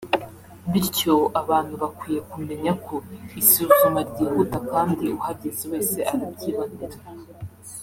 bityo abantu bakwiye kumenya ko isuzuma ryihuta kandi uhageze wese arabyibonera